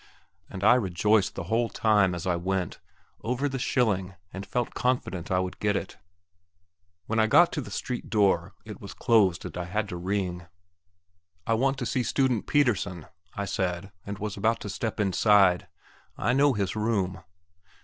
And I rejoiced the whole time, as I went, over the shilling, and felt confident I would get it. When I got to the street door it was closed and I had to ring. "I want to see Student Pettersen," I said, and was about to step inside. "I know his room."